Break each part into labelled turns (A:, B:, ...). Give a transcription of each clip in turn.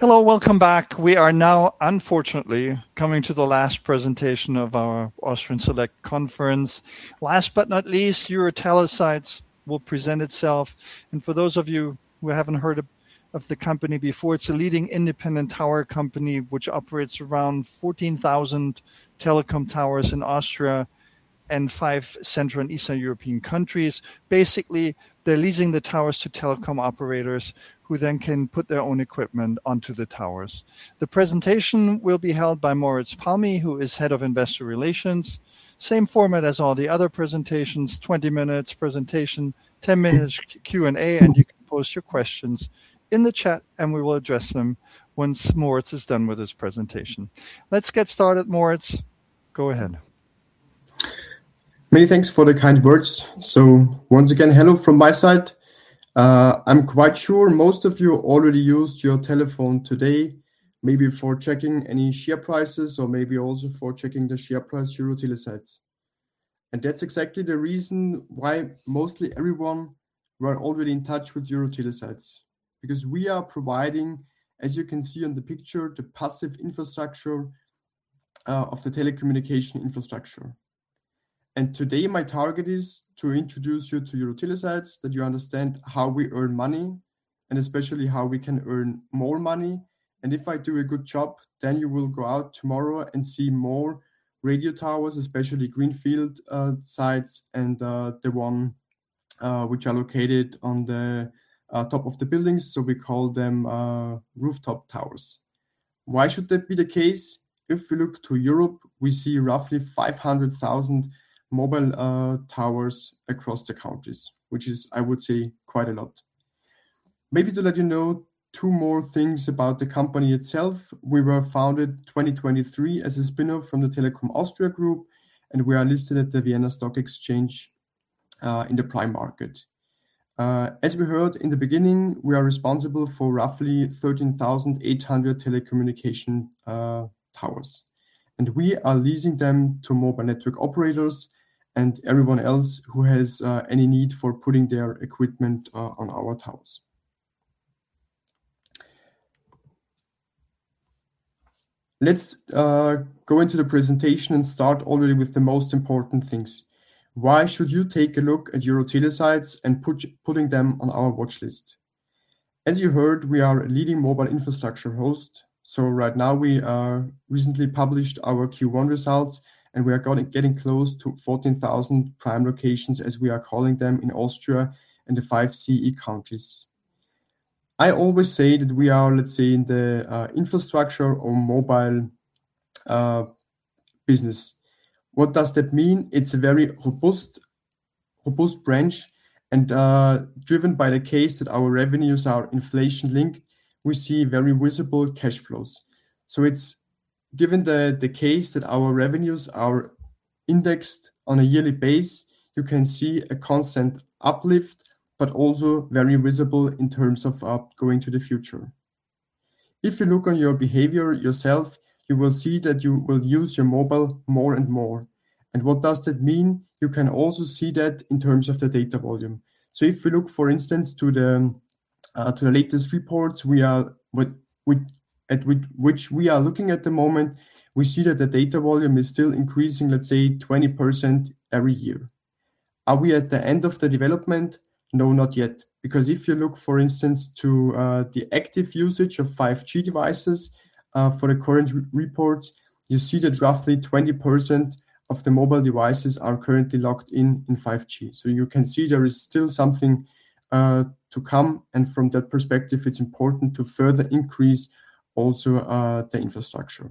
A: Hello, welcome back. We are now unfortunately coming to the last presentation of our Austrian Select Conference. Last but not least, EuroTeleSites will present itself. For those of you who haven't heard of the company before, it's a leading independent tower company which operates around 14,000 telecom towers in Austria and five Central and Eastern European countries. Basically, they're leasing the towers to telecom operators who then can put their own equipment onto the towers. The presentation will be held by Moritz Palmi, who is Head of Investor Relations. Same format as all the other presentations, 20 minutes presentation, 10 minutes Q&A, and you can post your questions in the chat and we will address them once Moritz is done with his presentation. Let's get started. Moritz, go ahead.
B: Many thanks for the kind words. Once again, hello from my side. I'm quite sure most of you already used your telephone today, maybe for checking any share prices or maybe also for checking the share price of EuroTeleSites. That's exactly the reason why mostly everyone were already in touch with EuroTeleSites, because we are providing, as you can see on the picture, the passive infrastructure of the telecommunication infrastructure. Today my target is to introduce you to EuroTeleSites that you understand how we earn money and especially how we can earn more money. If I do a good job, then you will go out tomorrow and see more radio towers, especially greenfield sites and the one which are located on the top of the buildings, so we call them rooftop towers. Why should that be the case? If we look to Europe, we see roughly 500,000 mobile towers across the countries, which is, I would say, quite a lot. Maybe to let you know two more things about the company itself. We were founded in 2023 as a spin-off from the Telekom Austria Group, and we are listed at the Vienna Stock Exchange, in the prime market. As we heard in the beginning, we are responsible for roughly 13,800 telecommunications towers, and we are leasing them to mobile network operators and everyone else who has any need for putting their equipment on our towers. Let's go into the presentation and start already with the most important things. Why should you take a look at EuroTeleSites and putting them on our watchlist? As you heard, we are a leading mobile infrastructure host, so right now we recently published our Q1 results and we are getting close to 14,000 prime locations, as we are calling them in Austria and the five CEE countries. I always say that we are, let's say, in the infrastructure or mobile business. What does that mean? It's a very robust branch and, driven by the fact that our revenues are inflation-linked, we see very visible cash flows. It's given the fact that our revenues are indexed on a yearly basis, you can see a constant uplift, but also very visible in terms of going to the future. If you look at your behavior yourself, you will see that you will use your mobile more and more. What does that mean? You can also see that in terms of the data volume. If we look, for instance, to the latest reports which we are looking at the moment, we see that the data volume is still increasing, let's say, 20% every year. Are we at the end of the development? No, not yet. Because if you look, for instance, to the active usage of 5G devices for the current reports, you see that roughly 20% of the mobile devices are currently locked in 5G. You can see there is still something to come, and from that perspective, it's important to further increase also the infrastructure.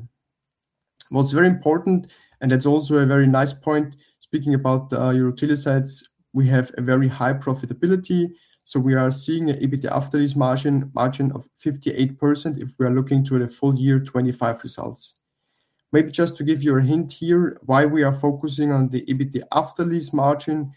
B: What's very important and that's also a very nice point, speaking about EuroTeleSites we have a very high profitability. We are seeing an EBITDA margin of 58% if we are looking to the full year 2025 results. Maybe just to give you a hint here why we are focusing on the EBIT after lease margin.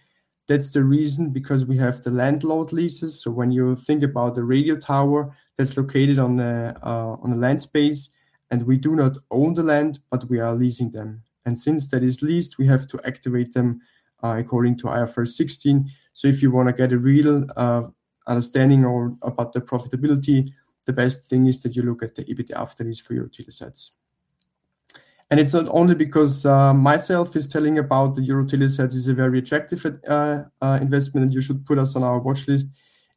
B: That's the reason, because we have the landlord leases. When you think about the radio tower that's located on the land space and we do not own the land, but we are leasing them. Since that is leased, we have to activate them according to IFRS 16. If you want to get a real understanding about the profitability, the best thing is that you look at the EBIT after lease for EuroTeleSites. It's not only because I am telling you that EuroTeleSites is a very attractive investment and you should put us on your watchlist.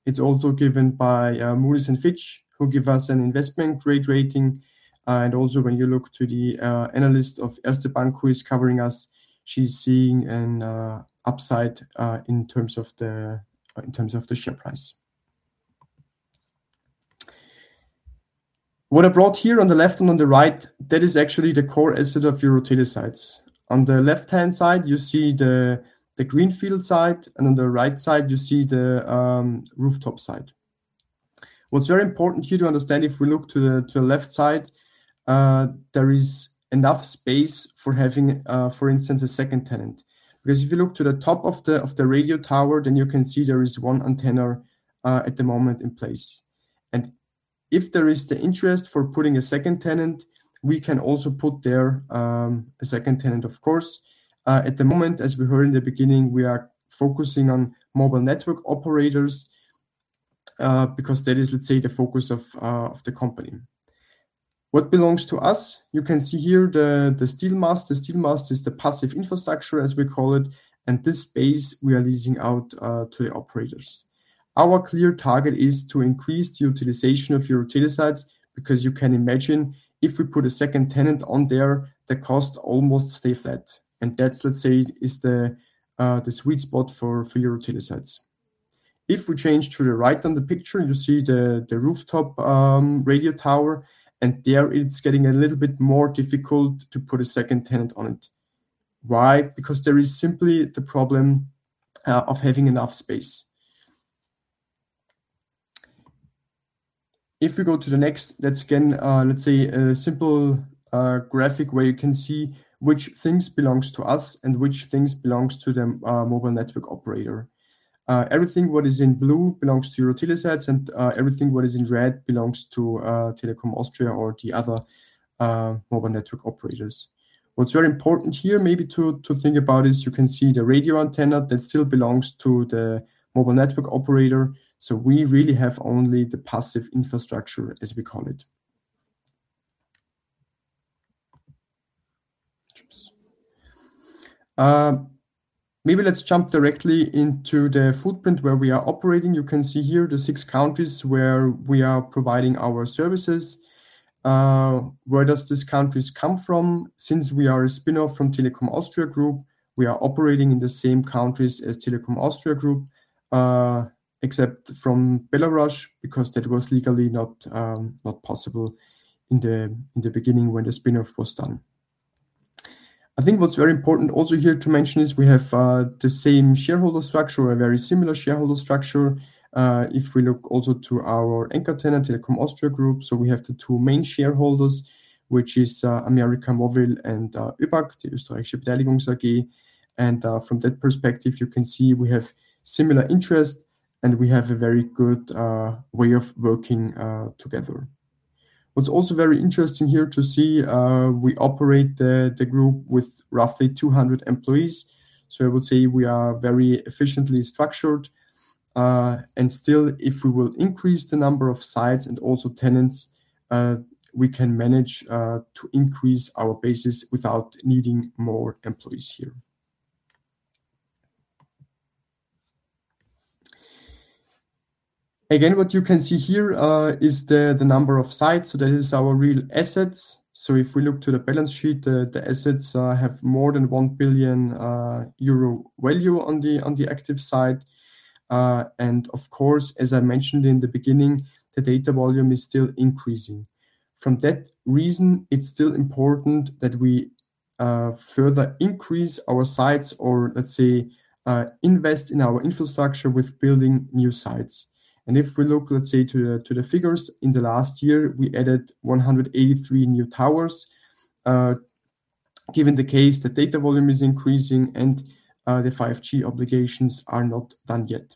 B: It's also given by Moody's and Fitch, who give us an investment-grade rating. Also when you look to the analyst of Erste Bank who is covering us, she's seeing an upside in terms of the share price. What I brought here on the left and on the right, that is actually the core asset of EuroTeleSites. On the left-hand side, you see the greenfield site, and on the right side, you see the rooftop site. What's very important here to understand, if we look to the left side, there is enough space for having, for instance, a second tenant. Because if you look to the top of the radio tower, then you can see there is one antenna at the moment in place. If there is the interest for putting a second tenant we can also put there a second tenant, of course. At the moment as we heard in the beginning we are focusing on mobile network operators, because that is, let's say, the focus of the company. What belongs to us, you can see here the steel mast. The steel mast is the passive infrastructure as we call it, and this space we are leasing out to the operators. Our clear target is to increase the utilization of EuroTeleSites, because you can imagine, if we put a second tenant on there, the cost almost stays flat. That, let's say, is the sweet spot for EuroTeleSites. If we change to the right on the picture, you see the rooftop radio tower and there, it's getting a little bit more difficult to put a second tenant on it. Why? Because there is simply the problem of having enough space. If we go to the next, that's again, let's say, a simple graphic where you can see which things belongs to us and which things belongs to the mobile network operator. Everything what is in blue belongs to EuroTeleSites, and everything what is in red belongs to Telekom Austria or the other mobile network operators. What's very important here maybe to think about is you can see the radio antenna that still belongs to the mobile network operator. We really have only the passive infrastructure, as we call it. Maybe let's jump directly into the footprint where we are operating. You can see here the six countries where we are providing our services. Where does these countries come from? Since we are a spinoff from Telekom Austria Group, we are operating in the same countries as Telekom Austria Group, except from Belarus, because that was legally not possible in the beginning when the spinoff was done. I think what's very important also here to mention is we have the same shareholder structure, or a very similar shareholder structure, if we look also to our anchor tenant, Telekom Austria Group. We have the two main shareholders, which is América Móvil and ÖBAG, the Österreichische Beteiligungs AG. From that perspective, you can see we have similar interests and we have a very good way of working together. What's also very interesting here to see, we operate the group with roughly 200 employees. I would say we are very efficiently structured. Still, if we will increase the number of sites and also tenants, we can manage to increase our bases without needing more employees here. Again, what you can see here is the number of sites. That is our real assets. If we look to the balance sheet, the assets have more than 1 billion euro value on the active side. Of course, as I mentioned in the beginning, the data volume is still increasing. For that reason, it's still important that we further increase our sites or, let's say, invest in our infrastructure with building new sites. If we look, let's say, to the figures in the last year, we added 183 new towers, given the case that data volume is increasing and the 5G obligations are not done yet.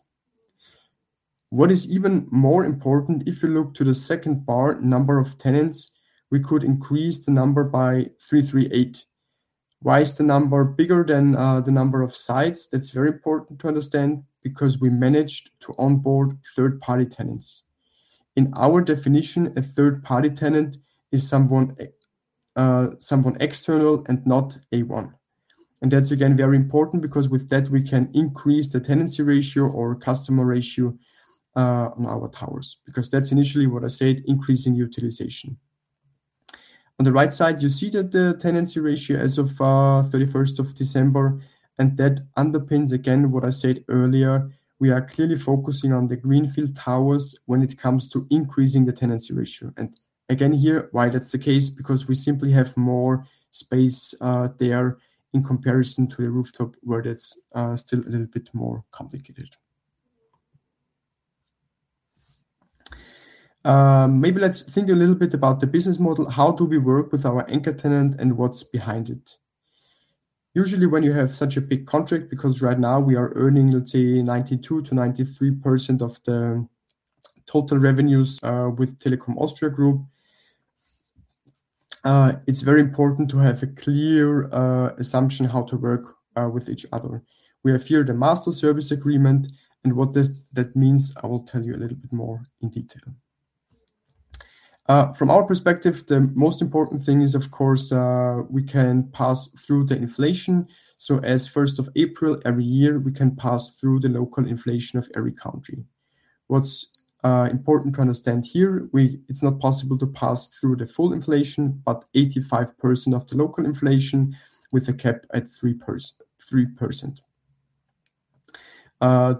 B: What is even more important, if you look to the second part, number of tenants, we could increase the number by 338. Why is the number bigger than the number of sites? That's very important to understand, because we managed to onboard third-party tenants. In our definition, a third-party tenant is someone external and not A1. That's again very important because with that, we can increase the tenancy ratio or customer ratio on our towers, because that's initially what I said, increasing utilization. On the right side, you see that the tenancy ratio as of December 31st, and that underpins, again, what I said earlier, we are clearly focusing on the greenfield towers when it comes to increasing the tenancy ratio. Again here, why that's the case, because we simply have more space there in comparison to a rooftop where that's still a little bit more complicated. Maybe let's think a little bit about the business model. How do we work with our anchor tenant and what's behind it? Usually when you have such a big contract, because right now we are earning, let's say, 92%-93% of the total revenues with Telekom Austria Group, it's very important to have a clear assumption how to work with each other. We have here the master service agreement, and what that means, I will tell you a little bit more in detail. From our perspective, the most important thing is, of course, we can pass through the inflation. So as of April 1st every year, we can pass through the local inflation of every country. What's important to understand here, it's not possible to pass through the full inflation, but 85% of the local inflation with a cap at 3%.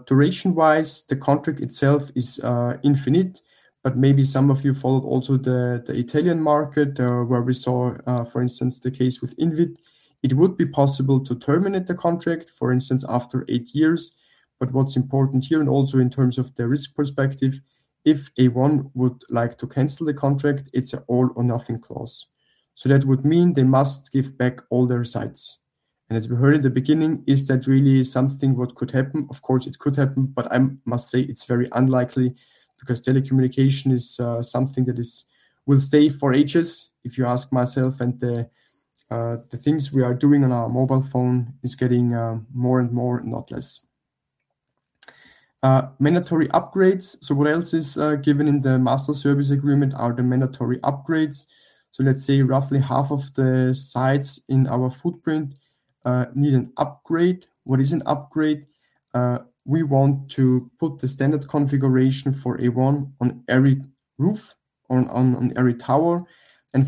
B: Duration-wise, the contract itself is infinite, but maybe some of you follow also the Italian market, where we saw, for instance, the case with INWIT. It would be possible to terminate the contract, for instance, after eight years. What's important here, and also in terms of the risk perspective, if A1 would like to cancel the contract, it's all or nothing clause. That would mean they must give back all their sites. As we heard at the beginning, is that really something what could happen? Of course, it could happen, but I must say it's very unlikely because telecommunication is something that will stay for ages, if you ask myself, and the things we are doing on our mobile phone is getting more and more, and not less. Mandatory upgrades. What else is given in the master service agreement are the mandatory upgrades. Let's say roughly half of the sites in our footprint need an upgrade. What is an upgrade? We want to put the standard configuration for A1 on every roof, on every tower.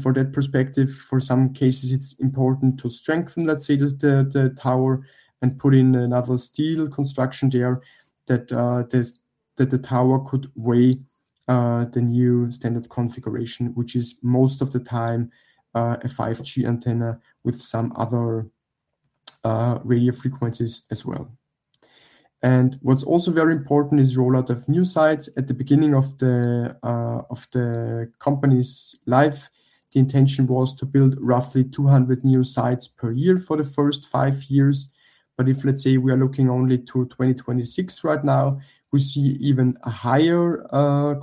B: For that perspective, for some cases, it's important to strengthen, let's say, just the tower and put in another steel construction there that the tower could weigh the new standard configuration, which is most of the time, a 5G antenna with some other radio frequencies as well. What's also very important is rollout of new sites. At the beginning of the company's life, the intention was to build roughly 200 new sites per year for the first five years. If, let's say we are looking only to 2026 right now, we see even a higher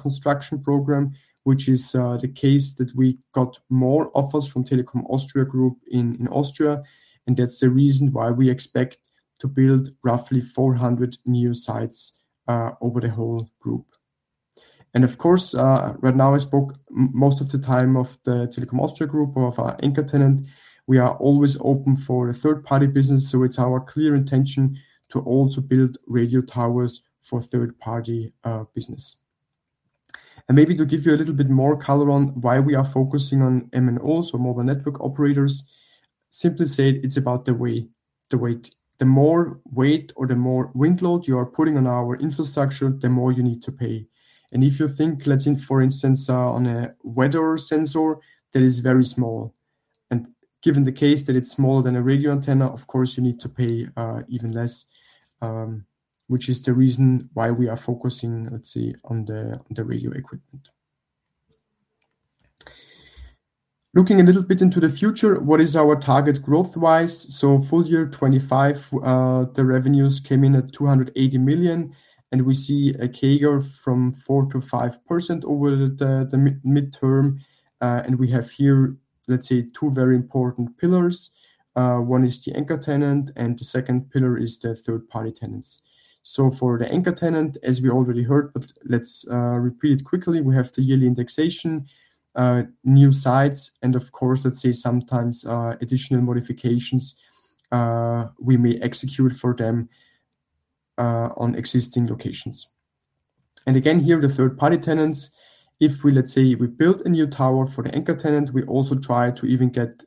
B: construction program which is the case that we got more offers from Telekom Austria Group in Austria, and that's the reason why we expect to build roughly 400 new sites over the whole group. Of course, right now I spoke most of the time of the Telekom Austria Group, of our anchor tenant. We are always open for a third-party business, so it's our clear intention to also build radio towers for third-party business. Maybe to give you a little bit more color on why we are focusing on MNOs, so mobile network operators, simply said, it's about the weight. The more weight or the more wind load you are putting on our infrastructure, the more you need to pay. If you think, let's say, for instance, on a weather sensor, that is very small, and given the case that it's smaller than a radio antenna, of course, you need to pay even less, which is the reason why we are focusing, let's say, on the radio equipment. Looking a little bit into the future, what is our target growth-wise? Full year 2025, the revenues came in at 280 million, and we see a CAGR from 4%-5% over the midterm. We have here, let's say, two very important pillars. One is the anchor tenant, and the second pillar is the third-party tenants. For the anchor tenant, as we already heard, but let's repeat it quickly, we have the yearly indexation, new sites, and of course, let's say, sometimes additional modifications we may execute for them on existing locations. Again, here, the third-party tenants, if we, let's say, we build a new tower for the anchor tenant, we also try to even get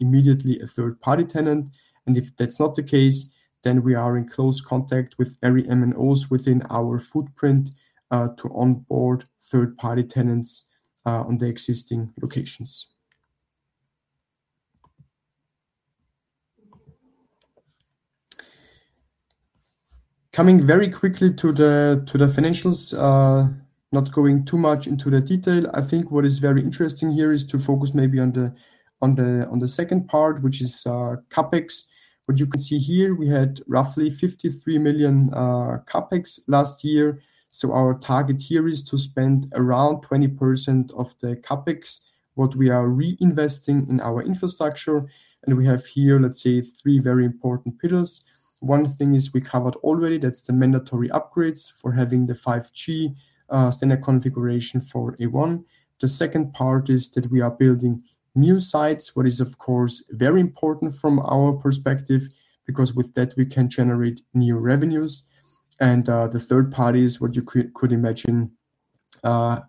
B: immediately a third-party tenant, and if that's not the case, then we are in close contact with every MNOs within our footprint, to onboard third-party tenants on the existing locations. Coming very quickly to the financials, not going too much into the detail. I think what is very interesting here is to focus maybe on the second part, which is CapEx. What you can see here, we had roughly 53 million CapEx last year. So our target here is to spend around 20% of the CapEx, what we are reinvesting in our infrastructure. We have here, let's say, three very important pillars. One thing is we covered already, that's the mandatory upgrades for having the 5G standard configuration for A1. The second part is that we are building new sites, what is of course, very important from our perspective, because with that, we can generate new revenues. The third part is what you could imagine,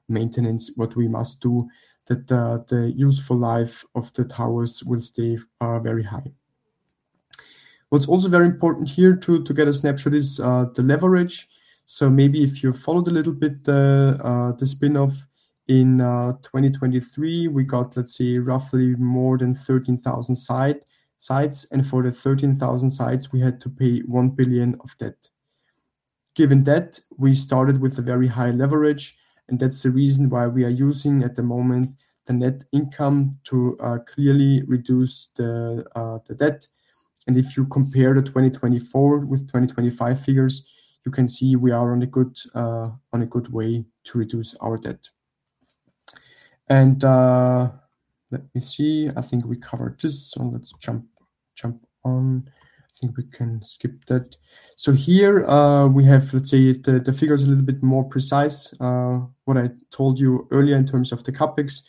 B: maintenance, what we must do that the useful life of the towers will stay very high. What's also very important here to get a snapshot is the leverage. Maybe if you followed a little bit the spin-off in 2023, we got, let's say, roughly more than 13,000 sites. For the 13,000 sites, we had to pay 1 billion of debt. Given that, we started with a very high leverage, and that's the reason why we are using, at the moment, the net income to clearly reduce the debt. If you compare the 2024 with 2025 figures, you can see we are on a good way to reduce our debt. Let me see. I think we covered this, so let's jump on. I think we can skip that. Here we have, let's say the figure's a little bit more precise, what I told you earlier in terms of the CapEx.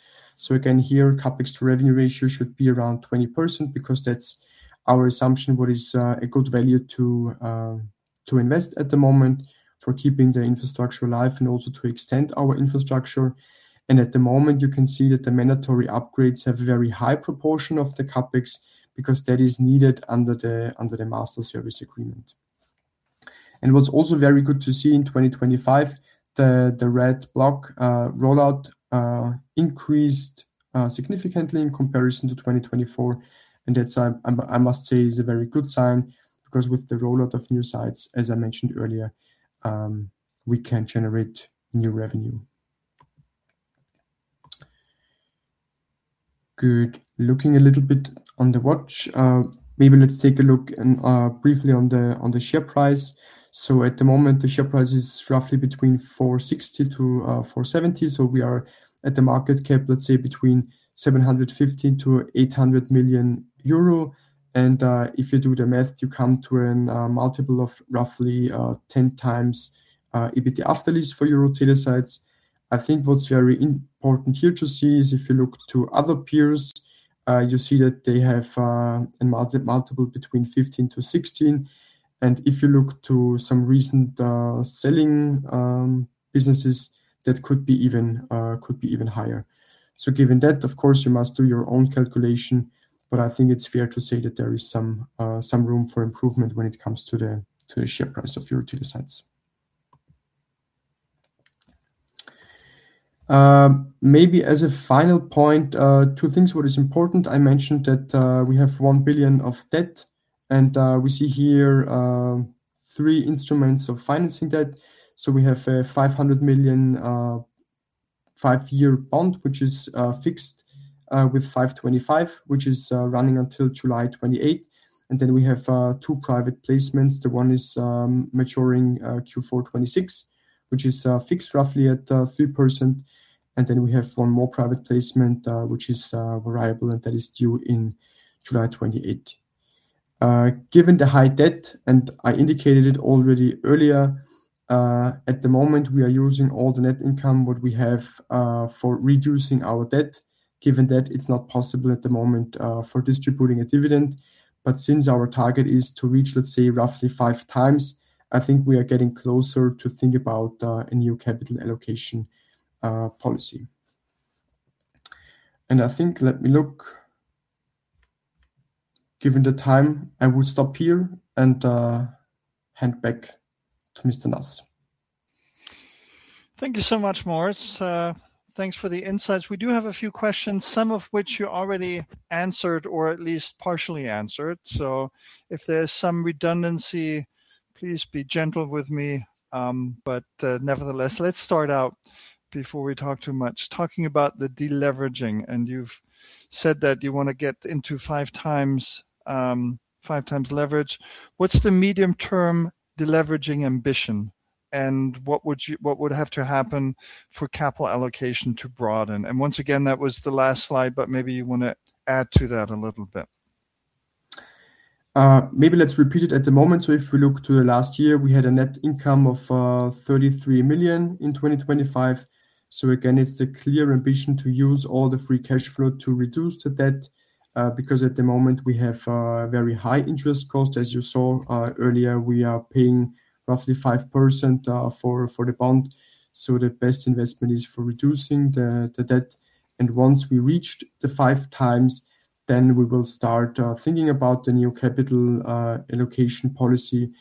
B: Again, here, CapEx to revenue ratio should be around 20% because that's our assumption what is a good value to invest at the moment for keeping the infrastructure alive and also to extend our infrastructure. At the moment, you can see that the mandatory upgrades have a very high proportion of the CapEx because that is needed under the master service agreement. What's also very good to see in 2025, the red block, rollout, increased significantly in comparison to 2024. That, I must say, is a very good sign because with the rollout of new sites, as I mentioned earlier, we can generate new revenue. Good. Looking a little bit on the watch. Maybe let's take a look briefly on the share price. At the moment, the share price is roughly 460-470. We are at the market cap, let's say 750 million-800 million euro. If you do the math, you come to a multiple of roughly 10x EBITDA for EuroTeleSites. I think what's very important here to see is if you look to other peers, you see that they have a multiple between 15x-16x. If you look to some recent selling businesses, that could be even higher. Given that, of course, you must do your own calculation, but I think it's fair to say that there is some room for improvement when it comes to the share price of EuroTeleSites. Maybe as a final point, two things what is important. I mentioned that we have 1 billion of debt, and we see here three instruments of financing debt. We have a 500 million five year bond, which is fixed with 5.25%, which is running until July 2028. Then we have two private placements. The one is maturing Q4 2026, which is fixed roughly at 3%, and then we have one more private placement, which is variable, and that is due in July 2028. Given the high debt, and I indicated it already earlier, at the moment, we are using all the net income, what we have, for reducing our debt. Given that, it's not possible at the moment for distributing a dividend. Since our target is to reach, let's say, roughly 5x, I think we are getting closer to think about a new capital allocation policy. I think, let me look. Given the time, I will stop here and hand back to Mr. Naass.
A: Thank you so much, Moritz. Thanks for the insights. We do have a few questions, some of which you already answered or at least partially answered. If there's some redundancy, please be gentle with me. Nevertheless, let's start out before we talk too much, talking about the deleveraging, and you've said that you want to get into 5x leverage. What's the medium-term deleveraging ambition, and what would have to happen for capital allocation to broaden? Once again, that was the last slide but maybe you want to add to that a little bit.
B: Maybe let's repeat it. At the moment, if we look to the last year, we had a net income of 33 million in 2025. It's the clear ambition to use all the free cash flow to reduce the debt, because at the moment, we have very high interest costs. As you saw earlier, we are paying roughly 5% for the bond. The best investment is for reducing the debt. Once we reached the 5x, then we will start thinking about the new capital allocation policy.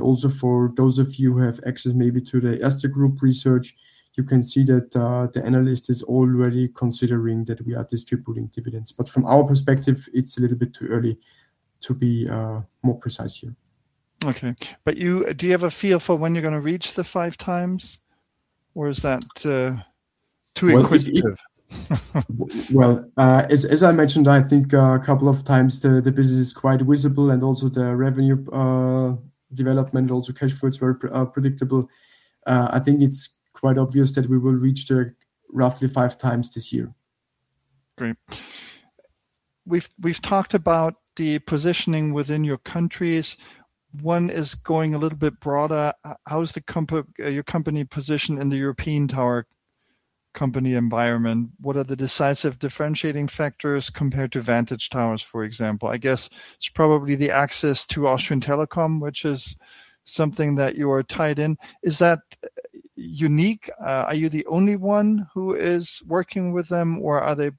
B: Also for those of you who have access maybe to the Erste Group research, you can see that the analyst is already considering that we are distributing dividends. From our perspective, it's a little bit too early to be more precise here.
A: Okay. Do you have a feel for when you're going to reach the 5x, or is that too inquisitive?
B: Well, as I mentioned, I think a couple of times, the business is quite visible, and also the revenue development, also cash flow, it's very predictable. I think it's quite obvious that we will reach the roughly 5x this year.
A: Great. We've talked about the positioning within your countries. One is going a little bit broader. How is your company positioned in the European tower company environment? What are the decisive differentiating factors compared to Vantage Towers, for example? I guess it's probably the access to Telekom Austria, which is something that you are tied in. Is that unique? Are you the only one who is working with them, or are they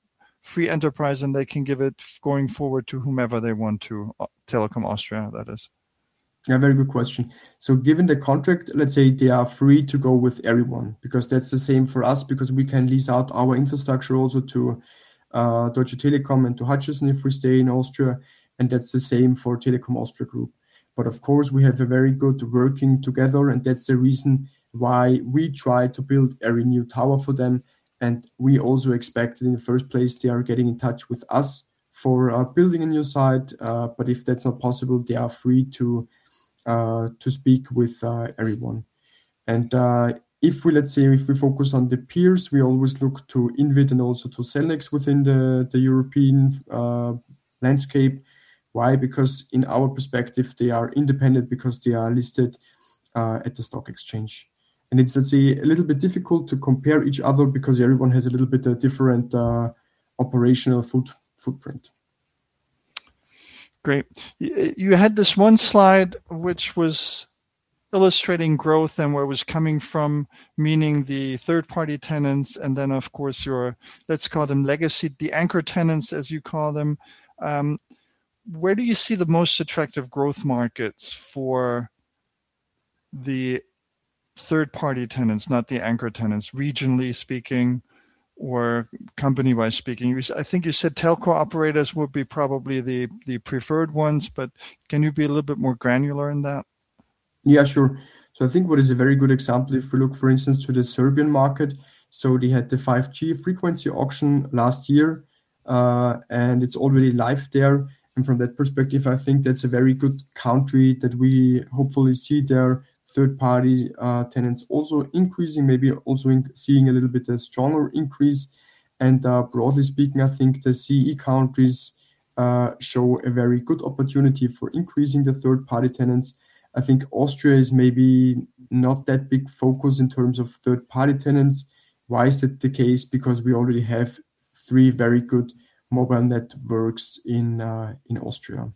A: free enterprise, and they can give it going forward to whomever they want to, Telekom Austria, that is?
B: Yeah, very good question. Given the contract, let's say they are free to go with everyone because that's the same for us, because we can lease out our infrastructure also to Deutsche Telekom and to Hutchison if we stay in Austria, and that's the same for Telekom Austria Group. Of course, we have a very good working together, and that's the reason why we try to build every new tower for them. We also expect in the first place, they are getting in touch with us for building a new site. If that's not possible, they are free to speak with everyone. If we, let's say, if we focus on the peers, we always look to INWIT and also to Cellnex within the European landscape. Why? Because in our perspective, they are independent because they are listed at the stock exchange. It's, let's say, a little bit difficult to compare each other because everyone has a little bit of different operational footprint.
A: Great. You had this one slide which was illustrating growth and where it was coming from, meaning the third-party tenants, and then, of course, your, let's call them legacy, the anchor tenants, as you call them. Where do you see the most attractive growth markets for the third-party tenants, not the anchor tenants, regionally speaking or company-wise speaking? I think you said telco operators would be probably the preferred ones, but can you be a little bit more granular in that?
B: Yeah, sure. I think what is a very good example, if we look, for instance, to the Serbian market, so they had the 5G frequency auction last year, and it's already live there. From that perspective, I think that's a very good country that we hopefully see their third-party tenants also increasing, maybe also seeing a little bit a stronger increase. Broadly speaking, I think the CEE countries show a very good opportunity for increasing the third-party tenants. I think Austria is maybe not that big focus in terms of third-party tenants. Why is that the case? Because we already have three very good mobile networks in Austria.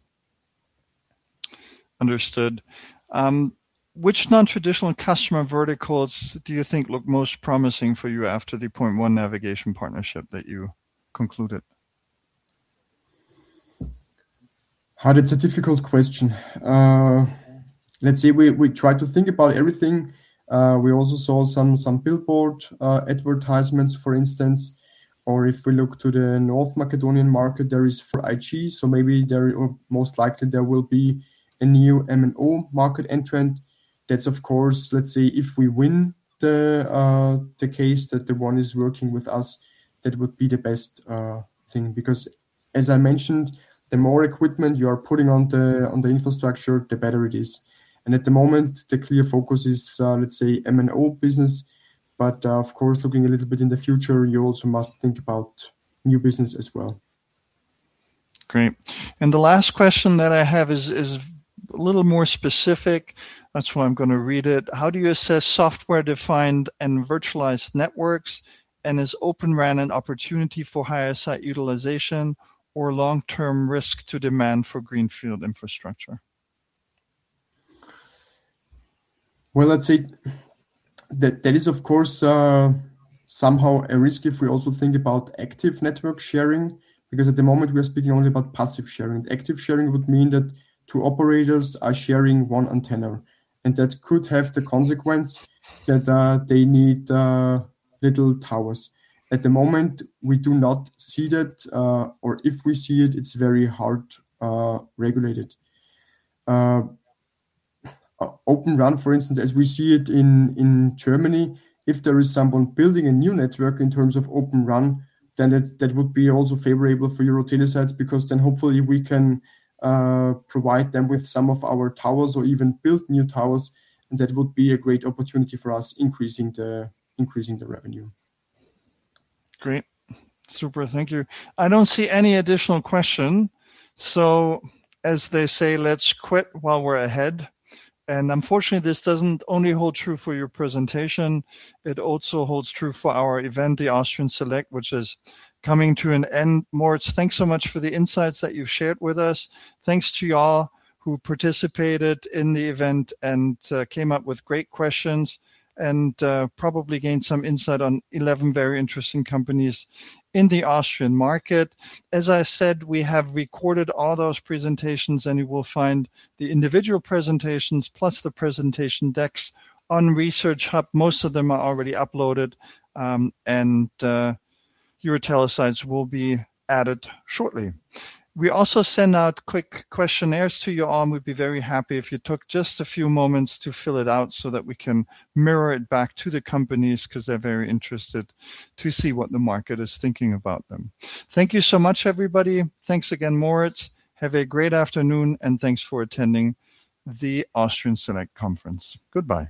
A: Understood. Which non-traditional customer verticals do you think look most promising for you after the Point One Navigation partnership that you concluded?
B: Hard. It's a difficult question. Let's say we try to think about everything. We also saw some billboard advertisements, for instance, or if we look to the North Macedonian market, there is 4G. Maybe most likely there will be a new MNO market entrant. That's of course, let's say if we win the case that the one is working with us, that would be the best thing. Because, as I mentioned, the more equipment you are putting on the infrastructure, the better it is. At the moment the clear focus is, let's say, MNO business. Of course, looking a little bit in the future, you also must think about new business as well.
A: Great. The last question that I have is a little more specific. That's why I'm going to read it. How do you assess software-defined and virtualized networks? And is Open RAN an opportunity for higher site utilization or long-term risk to demand for greenfield infrastructure?
B: Well, let's say that is, of course, somehow a risk if we also think about active network sharing, because at the moment, we are speaking only about passive sharing. Active sharing would mean that two operators are sharing one antenna. That could have the consequence that they need fewer towers. At the moment, we do not see that, or if we see it's very heavily regulated. Open RAN, for instance, as we see it in Germany, if there is someone building a new network in terms of Open RAN, then that would be also favorable for EuroTeleSites because then hopefully we can provide them with some of our towers or even build new towers, and that would be a great opportunity for us, increasing the revenue.
A: Great. Super. Thank you. I don't see any additional question. As they say, let's quit while we're ahead. Unfortunately, this doesn't only hold true for your presentation, it also holds true for our event, the Austrian Select, which is coming to an end. Moritz, thanks so much for the insights that you've shared with us. Thanks to you all who participated in the event and came up with great questions and probably gained some insight on 11 very interesting companies in the Austrian market. As I said, we have recorded all those presentations, and you will find the individual presentations plus the presentation decks on Research Hub. Most of them are already uploaded, and EuroTeleSites will be added shortly. We also send out quick questionnaires to you all, and we'd be very happy if you took just a few moments to fill it out so that we can mirror it back to the companies because they're very interested to see what the market is thinking about them. Thank you so much, everybody. Thanks again, Moritz. Have a great afternoon, and thanks for attending the Austrian Select Conference. Goodbye.